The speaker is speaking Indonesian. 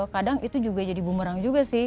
kadang itu juga jadi bumerang juga sih